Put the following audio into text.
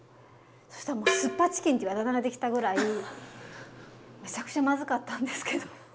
そしたらもう酢っぱチキンっていうあだ名ができたぐらいめちゃくちゃまずかったんですけど。